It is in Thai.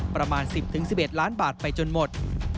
ประมาณ๑๐๑๑ล้านบาทไปจนหมด